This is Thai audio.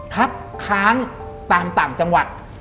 คัดค้านตามต่างจังหวัด